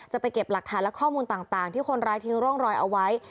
จะไปเก็บหลักฐานและข้อมูลต่างที่คนร้ายทิ้งร่องรอยเอาไว้